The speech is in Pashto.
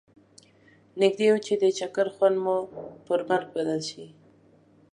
نږدي و چې د چکر خوند مو پر مرګ بدل شي.